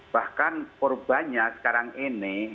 bahkan perubahannya sekarang ini